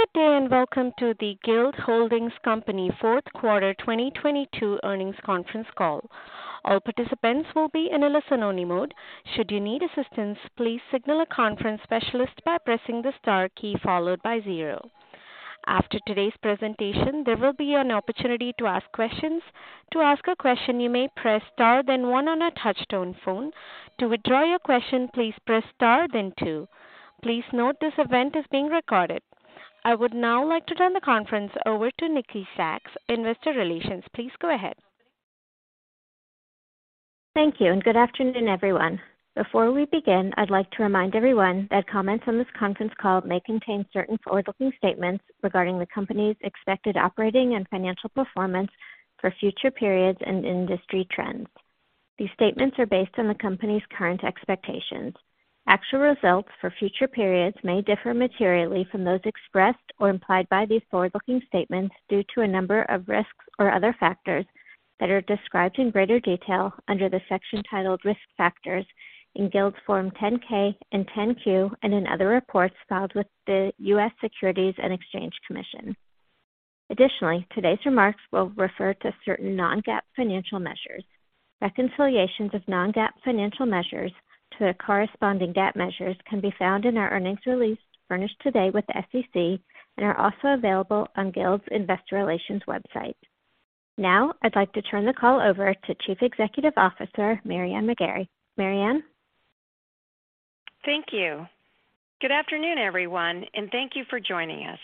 Good day, welcome to the Guild Holdings Company fourth quarter 2022 earnings conference call. All participants will be in a listen only mode. Should you need assistance, please signal a conference specialist by pressing the star key followed by zero. After today's presentation, there will be an opportunity to ask questions. To ask a question, you may press star then one on a touch-tone phone. To withdraw your question, please press star then two. Please note this event is being recorded. I would now like to turn the conference over to Nikki Sacks, Investor Relations. Please go ahead. Thank you. Good afternoon, everyone. Before we begin, I'd like to remind everyone that comments on this conference call may contain certain forward-looking statements regarding the company's expected operating and financial performance for future periods and industry trends. These statements are based on the company's current expectations. Actual results for future periods may differ materially from those expressed or implied by these forward-looking statements due to a number of risks or other factors that are described in greater detail under the section titled Risk Factors in Guild's Form 10-K and Form 10-Q and in other reports filed with the U.S. Securities and Exchange Commission. Additionally, today's remarks will refer to certain non-GAAP financial measures. Reconciliations of non-GAAP financial measures to the corresponding GAAP measures can be found in our earnings release furnished today with the SEC and are also available on Guild's Investor Relations website. I'd like to turn the call over to Chief Executive Officer, Mary Ann McGarry. Mary Ann. Thank you. Good afternoon, everyone, and thank you for joining us.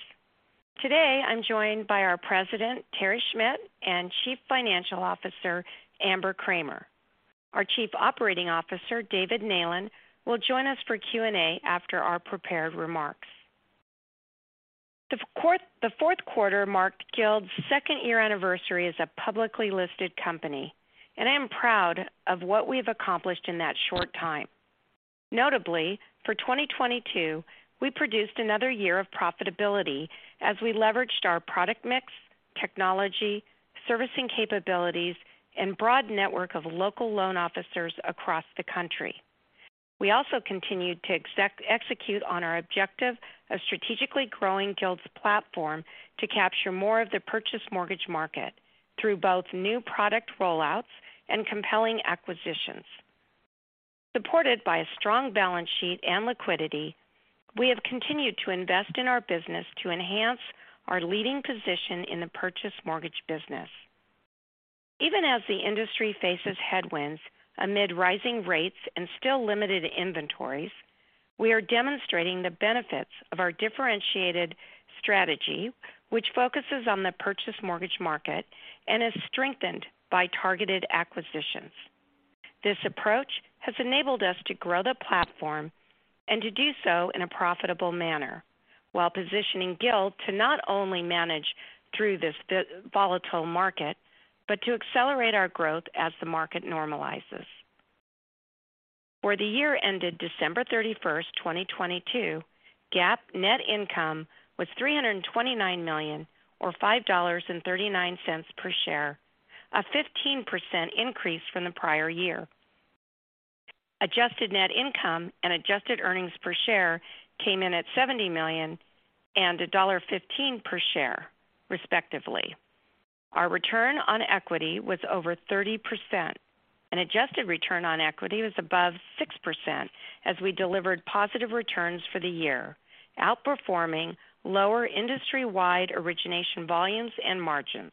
Today, I'm joined by our President, Terry Schmidt, and Chief Financial Officer, Amber Kramer. Our Chief Operating Officer, David Neylan, will join us for Q&A after our prepared remarks. The fourth quarter marked Guild's second-year anniversary as a publicly listed company, and I am proud of what we have accomplished in that short time. Notably, for 2022, we produced another year of profitability as we leveraged our product mix, technology, servicing capabilities, and broad network of local loan officers across the country. We also continued to execute on our objective of strategically growing Guild's platform to capture more of the purchase mortgage market through both new product rollouts and compelling acquisitions. Supported by a strong balance sheet and liquidity, we have continued to invest in our business to enhance our leading position in the purchase mortgage business. Even as the industry faces headwinds amid rising rates and still limited inventories, we are demonstrating the benefits of our differentiated strategy, which focuses on the purchase mortgage market and is strengthened by targeted acquisitions. This approach has enabled us to grow the platform and to do so in a profitable manner while positioning Guild to not only manage through this volatile market, but to accelerate our growth as the market normalizes. For the year ended December 31, 2022, GAAP net income was $329 million or $5.39 per share, a 15% increase from the prior year. Adjusted net income and adjusted earnings per share came in at $70 million and $1.15 per share, respectively. Our return on equity was over 30%, and adjusted return on equity was above 6% as we delivered positive returns for the year, outperforming lower industry-wide origination volumes and margins.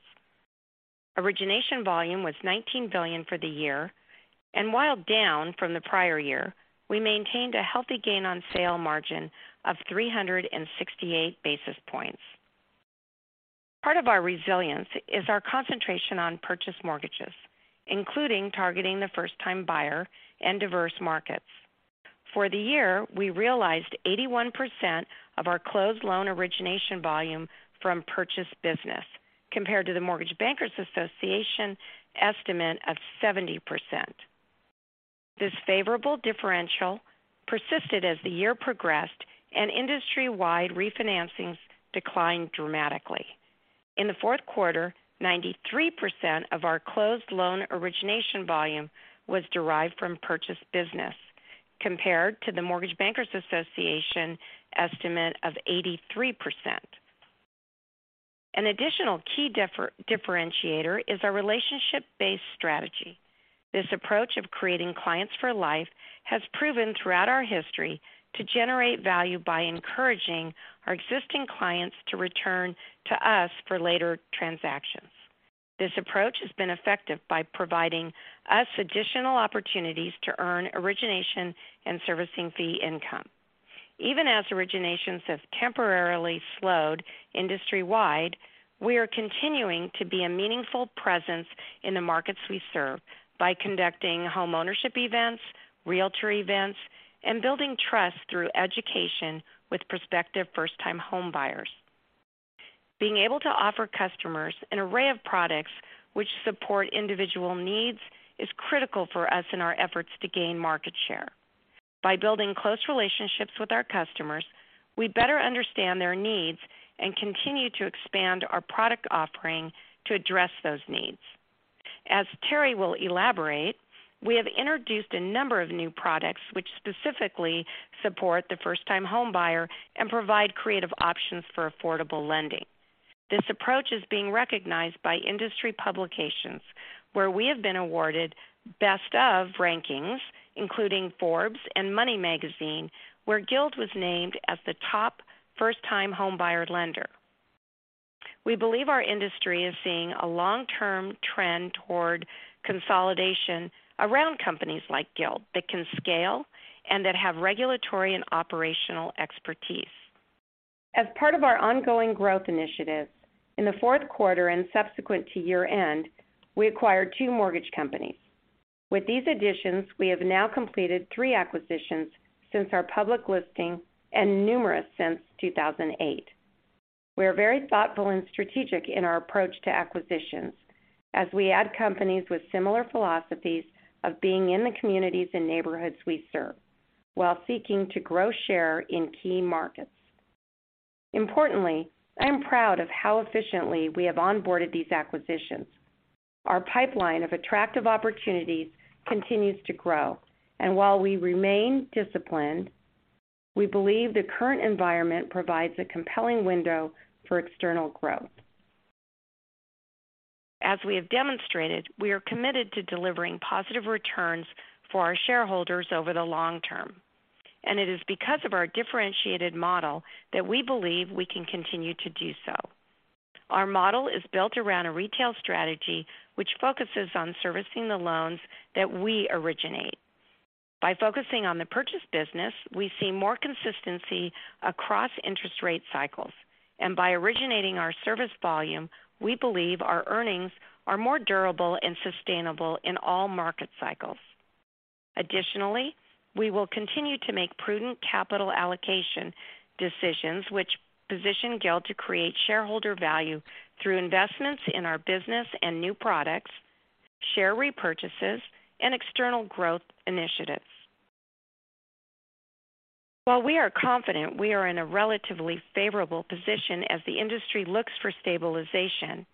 Origination volume was $19 billion for the year, and while down from the prior year, we maintained a healthy gain on sale margin of 368 basis points. Part of our resilience is our concentration on purchase mortgages, including targeting the first-time buyer and diverse markets. For the year, we realized 81% of our closed loan origination volume from purchase business compared to the Mortgage Bankers Association estimate of 70%. This favorable differential persisted as the year progressed and industry-wide refinancings declined dramatically. In the fourth quarter, 93% of our closed loan origination volume was derived from purchase business compared to the Mortgage Bankers Association estimate of 83%. Additional key differentiator is our relationship-based strategy. This approach of creating clients for life has proven throughout our history to generate value by encouraging our existing clients to return to us for later transactions. This approach has been effective by providing us additional opportunities to earn origination and servicing fee income. Originations have temporarily slowed industry-wide, we are continuing to be a meaningful presence in the markets we serve by conducting homeownership events, realtor events, and building trust through education with prospective first-time homebuyers. Being able to offer customers an array of products which support individual needs is critical for us in our efforts to gain market share. By building close relationships with our customers, we better understand their needs and continue to expand our product offering to address those needs. As Terry will elaborate, we have introduced a number of new products which specifically support the first-time homebuyer and provide creative options for affordable lending. This approach is being recognized by industry publications, where we have been awarded best of rankings, including Forbes and Money Magazine, where Guild was named as the top first-time homebuyer lender. We believe our industry is seeing a long-term trend toward consolidation around companies like Guild that can scale and that have regulatory and operational expertise. As part of our ongoing growth initiatives, in the fourth quarter and subsequent to year-end, we acquired two mortgage companies. With these additions, we have now completed three acquisitions since our public listing and numerous since 2008. We are very thoughtful and strategic in our approach to acquisitions as we add companies with similar philosophies of being in the communities and neighborhoods we serve while seeking to grow share in key markets. Importantly, I am proud of how efficiently we have onboarded these acquisitions. Our pipeline of attractive opportunities continues to grow. While we remain disciplined, we believe the current environment provides a compelling window for external growth. As we have demonstrated, we are committed to delivering positive returns for our shareholders over the long term. It is because of our differentiated model that we believe we can continue to do so. Our model is built around a retail strategy which focuses on servicing the loans that we originate. By focusing on the purchase business, we see more consistency across interest rate cycles, and by originating our service volume, we believe our earnings are more durable and sustainable in all market cycles. Additionally, we will continue to make prudent capital allocation decisions which position Guild to create shareholder value through investments in our business and new products, share repurchases and external growth initiatives. While we are confident we are in a relatively favorable position as the industry looks for stabilization,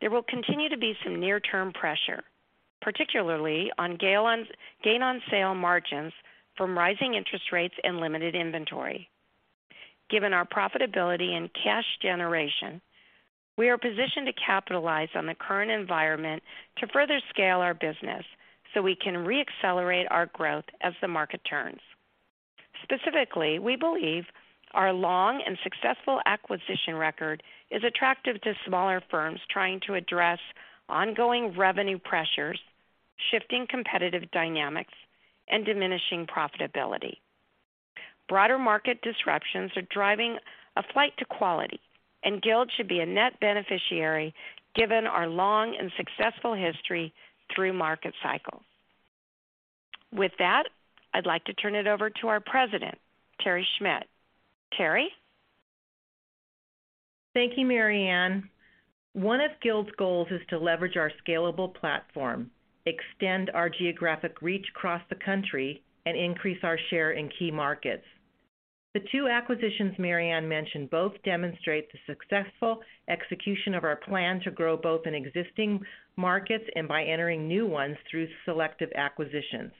there will continue to be some near-term pressure, particularly on gain on sale margins from rising interest rates and limited inventory. Given our profitability and cash generation, we are positioned to capitalize on the current environment to further scale our business so we can re-accelerate our growth as the market turns. Specifically, we believe our long and successful acquisition record is attractive to smaller firms trying to address ongoing revenue pressures, shifting competitive dynamics and diminishing profitability. Broader market disruptions are driving a flight to quality. Guild should be a net beneficiary given our long and successful history through market cycles. With that, I'd like to turn it over to our President, Terry Schmidt. Terry. Thank you, Mary Ann. One of Guild's goals is to leverage our scalable platform, extend our geographic reach across the country, and increase our share in key markets. The two acquisitions Mary Ann mentioned both demonstrate the successful execution of our plan to grow both in existing markets and by entering new ones through selective acquisitions.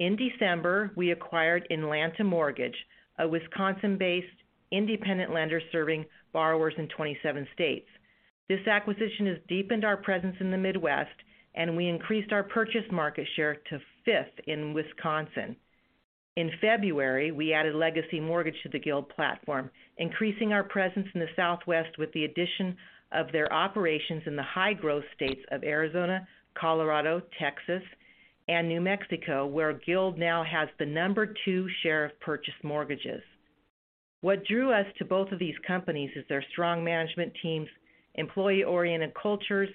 In December, we acquired Inlanta Mortgage, a Wisconsin-based independent lender serving borrowers in 27 states. This acquisition has deepened our presence in the Midwest, and we increased our purchase market share to fifth in Wisconsin. In February, we added Legacy Mortgage to the Guild platform, increasing our presence in the Southwest with the addition of their operations in the high-growth states of Arizona, Colorado, Texas, and New Mexico, where Guild now has the number two share of purchase mortgages. What drew us to both of these companies is their strong management teams, employee-oriented cultures,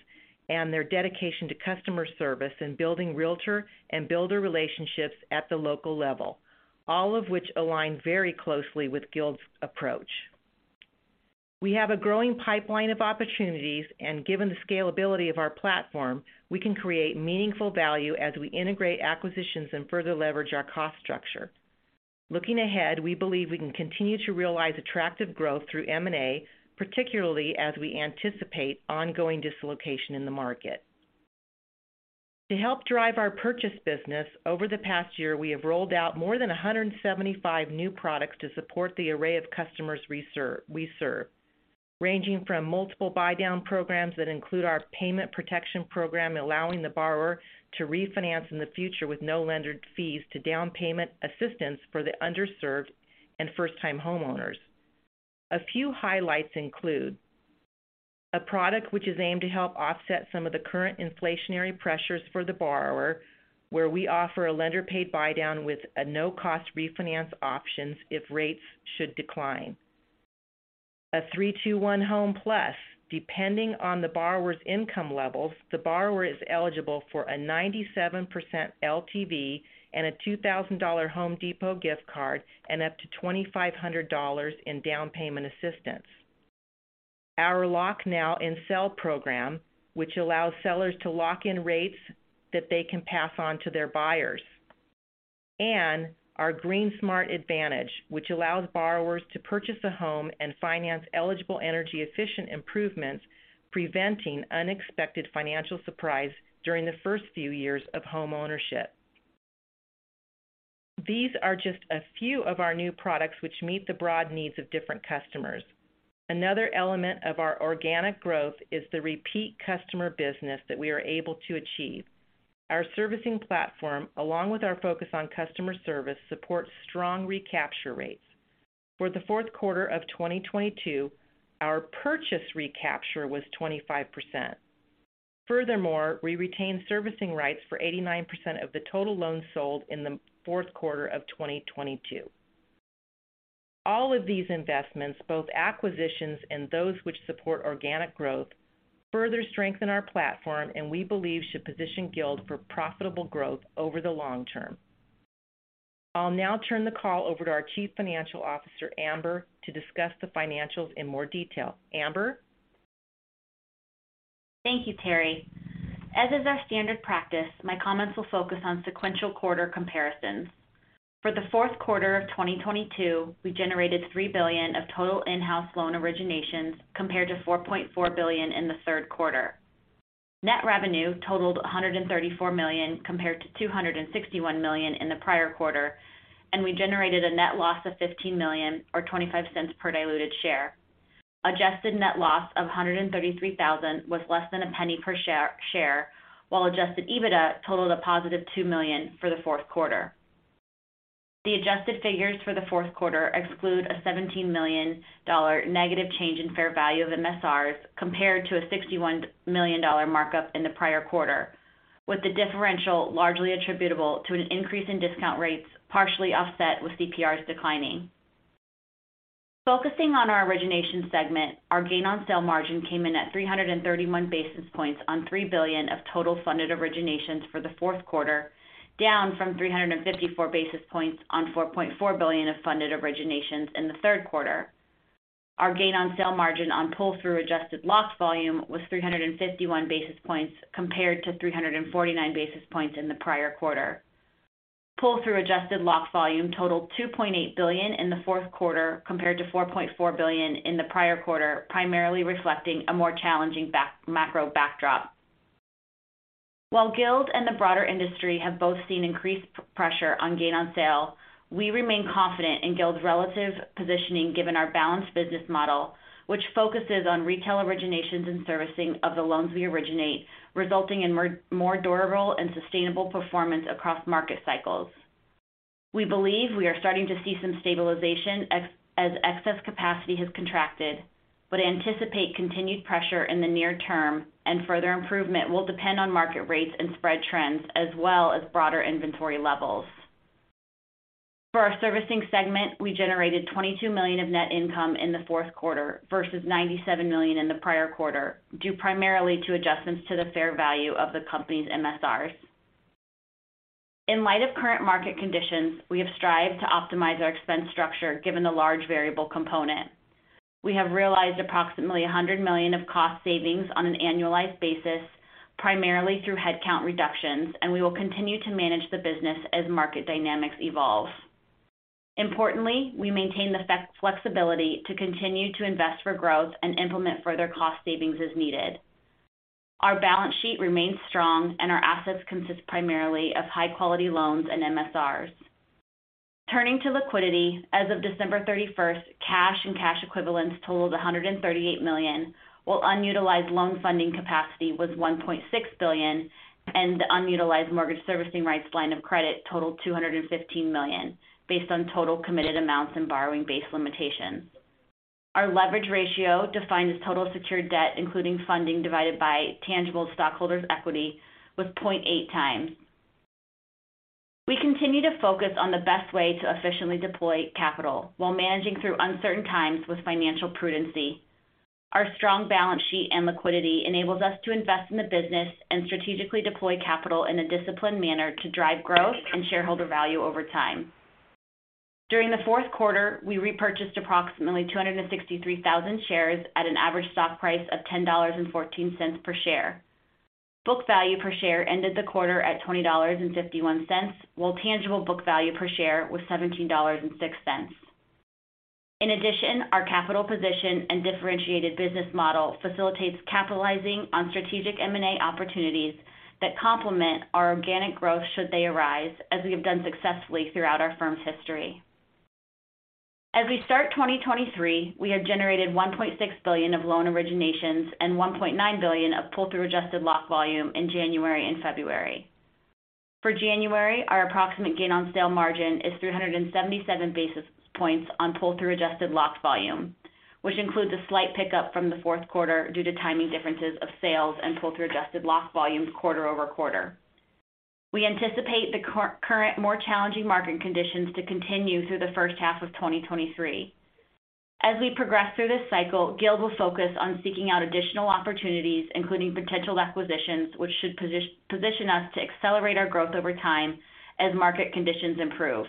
and their dedication to customer service and building realtor and builder relationships at the local level, all of which align very closely with Guild's approach. We have a growing pipeline of opportunities, and given the scalability of our platform, we can create meaningful value as we integrate acquisitions and further leverage our cost structure. Looking ahead, we believe we can continue to realize attractive growth through M&A, particularly as we anticipate ongoing dislocation in the market. To help drive our purchase business, over the past year, we have rolled out more than 175 new products to support the array of customers we serve, ranging from multiple buydown programs that include our Payment Protection program, allowing the borrower to refinance in the future with no lender fees to down payment assistance for the underserved and first-time homeowners. A few highlights include a product which is aimed to help offset some of the current inflationary pressures for the borrower, where we offer a lender paid buydown with a no-cost refinance options if rates should decline. A 3-2-1 Home Plus, depending on the borrower's income levels, the borrower is eligible for a 97% LTV and a $2,000 Home Depot gift card and up to $2,500 in down payment assistance. Our LockNow and Sell program, which allows sellers to lock in rates that they can pass on to their buyers. Our GreenSmart Advantage, which allows borrowers to purchase a home and finance eligible energy-efficient improvements, preventing unexpected financial surprise during the first few years of homeownership. These are just a few of our new products which meet the broad needs of different customers. Another element of our organic growth is the repeat customer business that we are able to achieve. Our servicing platform, along with our focus on customer service, supports strong recapture rates. For the fourth quarter of 2022, our purchase recapture was 25%. Furthermore, we retained servicing rights for 89% of the total loans sold in the fourth quarter of 2022. All of these investments, both acquisitions and those which support organic growth, further strengthen our platform and we believe should position Guild for profitable growth over the long term. I'll now turn the call over to our Chief Financial Officer, Amber, to discuss the financials in more detail. Amber? Thank you, Terry. As is our standard practice, my comments will focus on sequential quarter comparisons. For the fourth quarter of 2022, we generated $3 billion of total in-house loan originations compared to $4.4 billion in the third quarter. Net revenue totaled $134 million compared to $261 million in the prior quarter. We generated a net loss of $15 million or $0.25 per diluted share. Adjusted net loss of $133 thousand was less than a penny per share, while adjusted EBITDA totaled a positive $2 million for the fourth quarter. The adjusted figures for the fourth quarter exclude a $17 million negative change in fair value of MSRs compared to a $61 million markup in the prior quarter, with the differential largely attributable to an increase in discount rates, partially offset with CPRs declining. Focusing on our origination segment, our gain on sale margin came in at 331 basis points on $3 billion of total funded originations for the fourth quarter, down from 354 basis points on $4.4 billion of funded originations in the third quarter. Our gain on sale margin on pull-through adjusted lock volume was 351 basis points compared to 349 basis points in the prior quarter. Pull-through adjusted locked volume totaled $2.8 billion in the fourth quarter compared to $4.4 billion in the prior quarter, primarily reflecting a more challenging macro backdrop. While Guild and the broader industry have both seen increased pressure on gain on sale, we remain confident in Guild's relative positioning given our balanced business model, which focuses on retail originations and servicing of the loans we originate, resulting in more durable and sustainable performance across market cycles. We believe we are starting to see some stabilization as excess capacity has contracted. We anticipate continued pressure in the near term and further improvement will depend on market rates and spread trends as well as broader inventory levels. For our servicing segment, we generated $22 million of net income in the fourth quarter versus $97 million in the prior quarter, due primarily to adjustments to the fair value of the company's MSRs. In light of current market conditions, we have strived to optimize our expense structure given the large variable component. We have realized approximately $100 million of cost savings on an annualized basis, primarily through headcount reductions. We will continue to manage the business as market dynamics evolve. Importantly, we maintain the flexibility to continue to invest for growth and implement further cost savings as needed. Our balance sheet remains strong and our assets consist primarily of high quality loans and MSRs. Turning to liquidity, as of December 31st, cash and cash equivalents totaled $138 million, while unutilized loan funding capacity was $1.6 billion, and the unutilized mortgage servicing rights line of credit totaled $215 million based on total committed amounts and borrowing base limitations. Our leverage ratio, defined as total secured debt, including funding divided by tangible stockholders' equity, was 0.8x. We continue to focus on the best way to efficiently deploy capital while managing through uncertain times with financial prudency. Our strong balance sheet and liquidity enables us to invest in the business and strategically deploy capital in a disciplined manner to drive growth and shareholder value over time. During the fourth quarter, we repurchased approximately 263,000 shares at an average stock price of $10.14 per share. Book value per share ended the quarter at $20.51, while tangible book value per share was $17.06. In addition, our capital position and differentiated business model facilitates capitalizing on strategic M&A opportunities that complement our organic growth should they arise, as we have done successfully throughout our firm's history. As we start 2023, we have generated $1.6 billion of loan originations and $1.9 billion of pull-through adjusted lock volume in January and February. For January, our approximate gain on sale margin is 377 basis points on pull-through adjusted lock volume, which includes a slight pickup from the fourth quarter due to timing differences of sales and pull-through adjusted locked volumes quarter-over-quarter. We anticipate the current more challenging market conditions to continue through the first half of 2023. As we progress through this cycle, Guild will focus on seeking out additional opportunities, including potential acquisitions, which should position us to accelerate our growth over time as market conditions improve.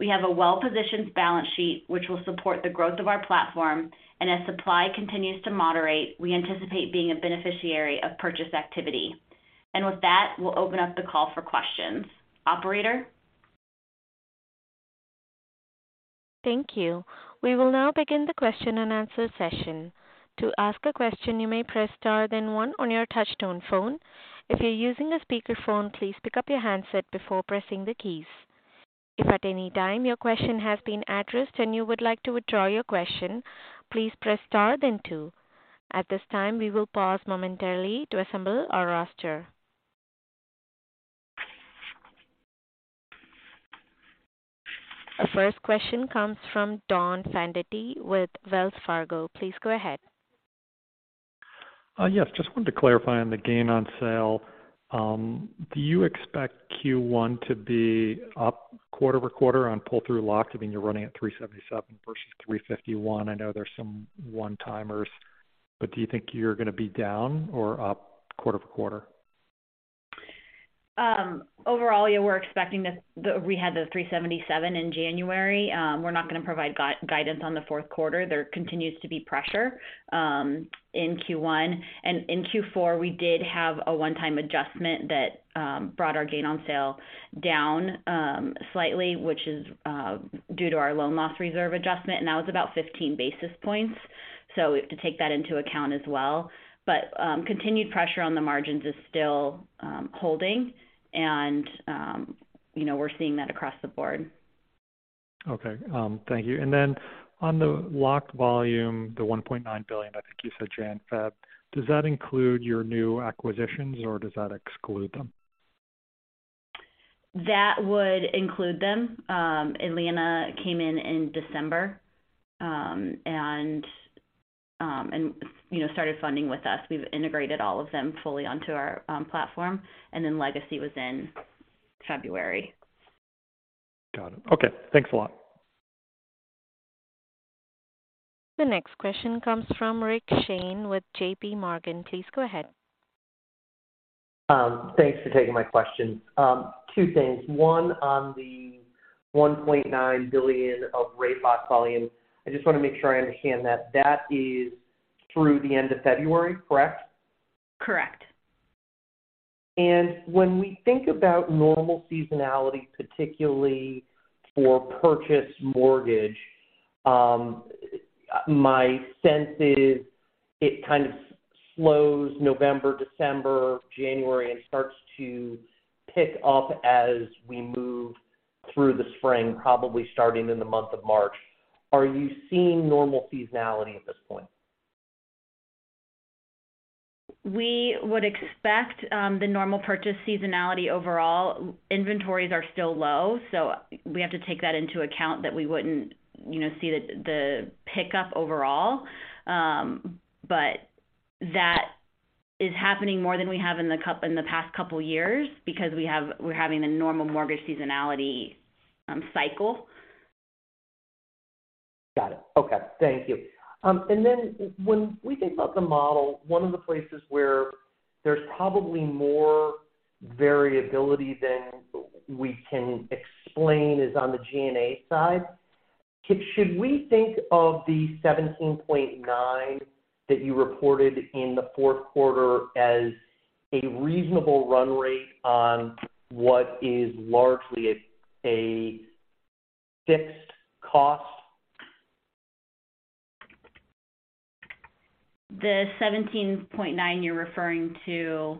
We have a well-positioned balance sheet which will support the growth of our platform. As supply continues to moderate, we anticipate being a beneficiary of purchase activity. With that, we'll open up the call for questions. Operator? Thank you. We will now begin the question-and-answer session. To ask a question, you may press star then one on your touchtone phone. If you're using a speakerphone, please pick up your handset before pressing the keys. If at any time your question has been addressed and you would like to withdraw your question, please press star then two. At this time, we will pause momentarily to assemble our roster. The first question comes from Don Fandetti with Wells Fargo. Please go ahead. Yes, just wanted to clarify on the gain on sale, do you expect Q1 to be up quarter-over-quarter on pull-through lock? I mean, you're running at 377 versus 351. I know there's some one-timers, but do you think you're gonna be down or up quarter-over-quarter? Overall, yeah, we're expecting this. We had the 377 in January. We're not gonna provide guidance on the fourth quarter. There continues to be pressure in Q1. In Q4, we did have a one-time adjustment that brought our gain on sale down slightly, which is due to our loan loss reserve adjustment, and that was about 15 basis points. We have to take that into account as well. Continued pressure on the margins is still holding and, you know, we're seeing that across the board. Okay, thank you. On the locked volume, the $1.9 billion, I think you said January/February, does that include your new acquisitions or does that exclude them? That would include them. Inlanta came in in December, and, you know, started funding with us. We've integrated all of them fully onto our platform. Then Legacy was in February. Got it. Okay, thanks a lot. The next question comes from Rick Shane with JPMorgan. Please go ahead. Thanks for taking my question. two things. One on the $1.9 billion of rate lock volume. I just wanna make sure I understand that. That is through the end of February, correct? Correct. When we think about normal seasonality, particularly for purchase mortgage, my sense is it kind of slows November, December, January and starts to pick up as we move through the spring, probably starting in the month of March. Are you seeing normal seasonality at this point? We would expect the normal purchase seasonality overall. Inventories are still low. We have to take that into account that we wouldn't, you know, see the pick up overall. That is happening more than we have in the past couple years because we're having a normal mortgage seasonality cycle. Got it. Okay. Thank you. When we think about the model, one of the places where there's probably more variability than we can explain is on the G&A side. Should we think of the 17.9 that you reported in the fourth quarter as a reasonable run rate on what is largely a fixed cost? The 17.9, you're referring to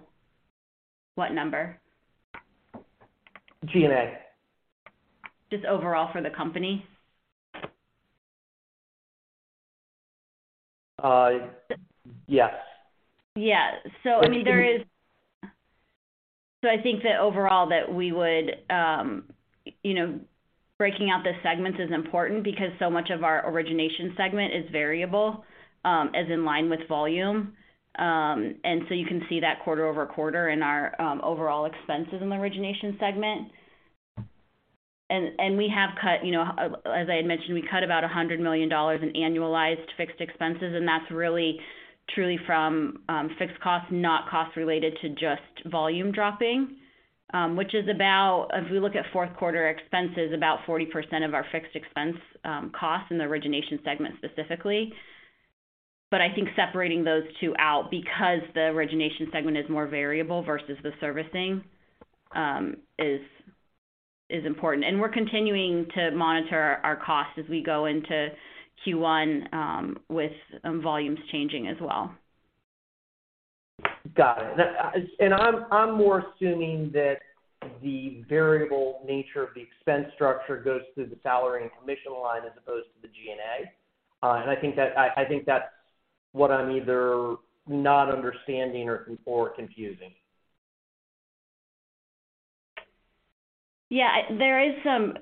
what number? G&A. Just overall for the company? Yes. Yeah. I mean, there is So I think that overall that we would, you know, breaking out the segments is important because so much of our origination segment is variable, as in line with volume. You can see that quarter-over-quarter in our overall expenses in the origination segment. We have cut, you know, as I had mentioned, we cut about $100 million in annualized fixed expenses, and that's really truly from fixed costs, not costs related to just volume dropping, which is about, as we look at fourth quarter expenses, about 40% of our fixed expense costs in the origination segment specifically. I think separating those two out because the origination segment is more variable versus the servicing, is important. We're continuing to monitor our costs as we go into Q1, with volumes changing as well. Got it. Now, I'm more assuming that the variable nature of the expense structure goes through the salary and commission line as opposed to the G&A. I think that's what I'm either not understanding or confusing. Yeah. There is some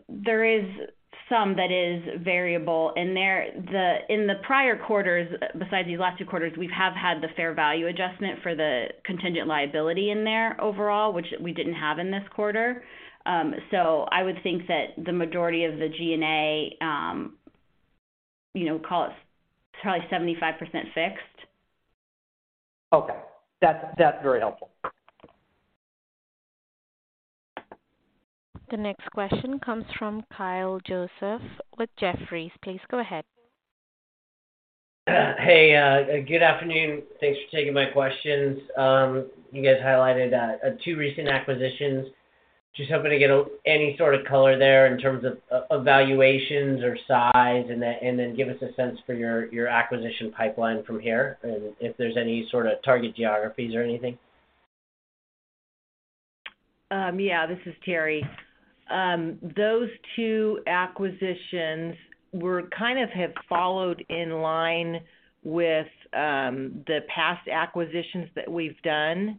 that is variable. In the prior quarters, besides these last two quarters, we have had the fair value adjustment for the contingent liability in there overall, which we didn't have in this quarter. I would think that the majority of the G&A, you know, call it probably 75% fixed. Okay. That's very helpful. The next question comes from Kyle Joseph with Jefferies. Please go ahead. Hey, good afternoon. Thanks for taking my questions. You guys highlighted two recent acquisitions. Just hoping to get any sort of color there in terms of valuations or size and then give us a sense for your acquisition pipeline from here and if there's any sort of target geographies or anything. Yeah, this is Terry. Those two acquisitions kind of have followed in line with the past acquisitions that we've done,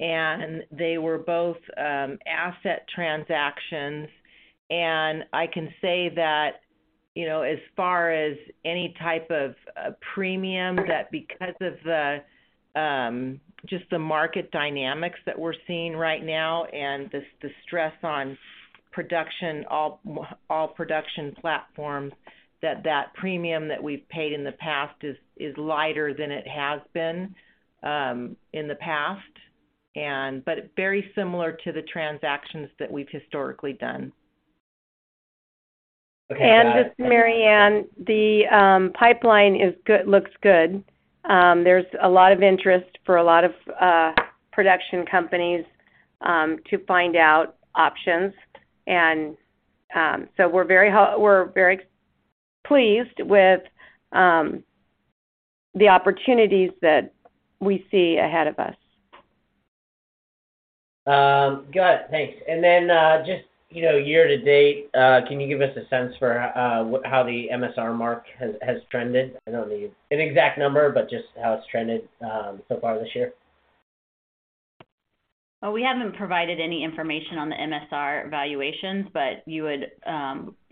and they were both asset transactions. I can say that, you know, as far as any type of premium, that because of the just the market dynamics that we're seeing right now and the stress on production, all production platforms, that that premium that we've paid in the past is lighter than it has been in the past, and but very similar to the transactions that we've historically done. Okay. Just, Mary Ann, the pipeline is good-- looks good. There's a lot of interest for a lot of production companies to find out options and we're very pleased with the opportunities that we see ahead of us. Got it. Thanks. Just, you know, year-to-date, can you give us a sense for how the MSR mark has trended? I don't need an exact number, but just how it's trended so far this year. We haven't provided any information on the MSR valuations. You would,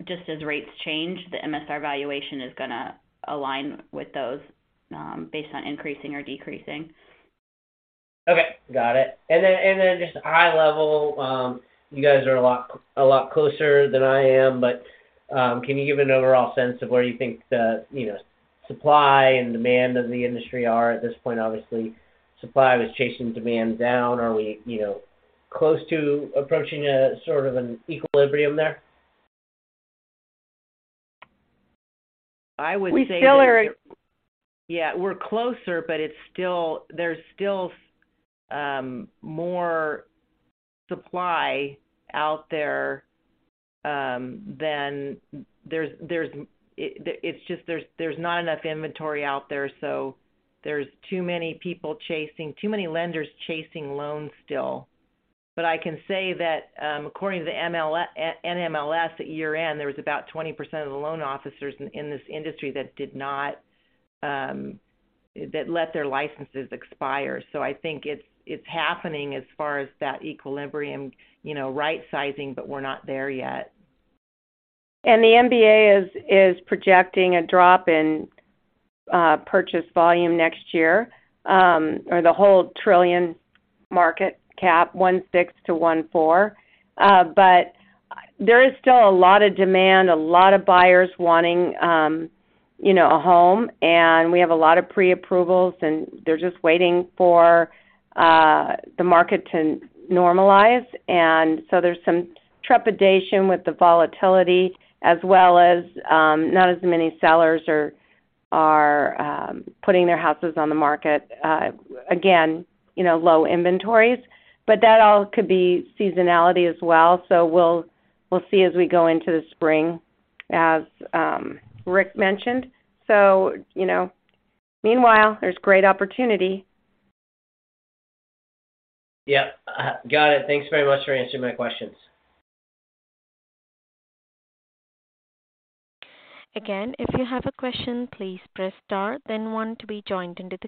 just as rates change, the MSR valuation is gonna align with those, based on increasing or decreasing. Okay. Got it. Just high level, you guys are a lot closer than I am. Can you give an overall sense of where you think the, you know, supply and demand of the industry are at this point? Obviously, supply was chasing demand down. Are we, you know, close to approaching a sort of an equilibrium there? I would say. We. We're closer, but it's still there's still more supply out there than there's. It's just there's not enough inventory out there, so there's too many lenders chasing loans still. I can say that, according to the NMLS at year-end, there was about 20% of the loan officers in this industry that did not that let their licenses expire. I think it's happening as far as that equilibrium, you know, right-sizing, but we're not there yet. The MBA is projecting a drop in purchase volume next year, or the whole $1.6 trillion-$1.4 trillion market cap. There is still a lot of demand, a lot of buyers wanting, you know, a home and we have a lot of pre-approvals, and they're just waiting for the market to normalize. There's some trepidation with the volatility as well as not as many sellers are putting their houses on the market. Again, you know, low inventories, but that all could be seasonality as well. We'll see as we go into the spring, as Rick mentioned. You know. Meanwhile, there's great opportunity. Yeah. Got it. Thanks very much for answering my questions. If you have a question, please press star then one to be joined into the queue.